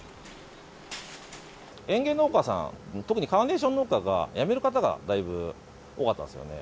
園芸農家さん、特にカーネーション農家が、辞める方がだいぶ、多かったんですよね。